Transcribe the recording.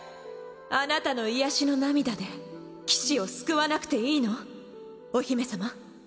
あなたの癒やしの涙で騎士を救わなくていいの？お姫様。